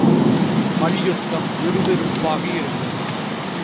மல்யுத்தம் விறுவிறுப்பாக இருந்தது.